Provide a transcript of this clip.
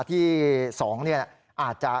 ที่๒เนี่ยอาจจะ